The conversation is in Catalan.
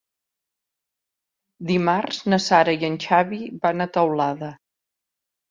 Dimarts na Sara i en Xavi van a Teulada.